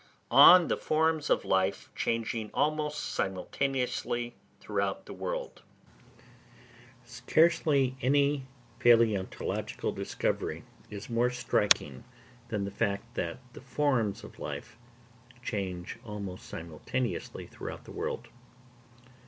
On the Forms of Life changing almost simultaneously throughout the World. Scarcely any palæontological discovery is more striking than the fact that the forms of life change almost simultaneously throughout the world.